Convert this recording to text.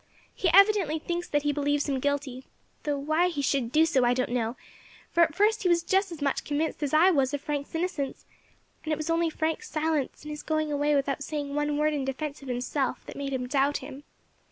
He evidently thinks that he believes him guilty, though why he should do so I don't know, for at first he was just as much convinced as I was of Frank's innocence, and it was only Frank's silence and his going away without saying one word in defence of himself that made him doubt him.